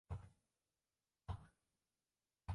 十三年卒于任上。